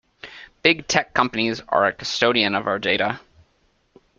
Big tech companies are a custodian of our data.